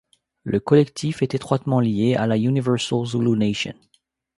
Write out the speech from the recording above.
Le collectif est étroitement lié à l'Universal Zulu Nation.